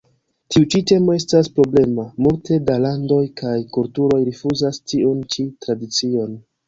Tiu ĉi temo estas problema, multe da landoj kaj kulturoj rifuzas tiun ĉi tradicion.